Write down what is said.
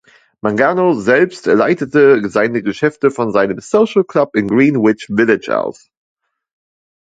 Mangano selbst leitete seine Geschäfte von seinem Social Club in Greenwich Village aus.